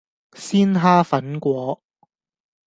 鮮蝦粉果